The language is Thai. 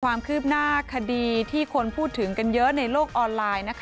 ความคืบหน้าคดีที่คนพูดถึงกันเยอะในโลกออนไลน์